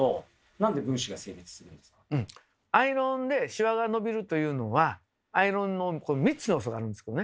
アイロンでシワが伸びるというのはアイロンの３つの要素があるんですけどね